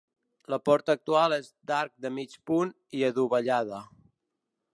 La porta actual és d'arc de mig punt i adovellada.